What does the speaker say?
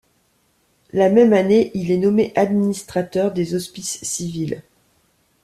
La même année, il est nommé administrateur des hospices civils.